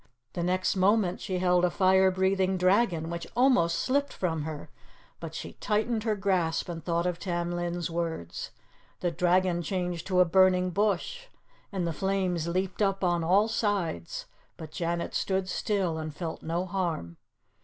The next moment she held a fire breathing dragon, which almost slipped from her, but she tightened her grasp, and thought of Tam Lin's words. The dragon changed to a burning bush, and the flames leaped up on all sides, but Janet stood still and felt no harm.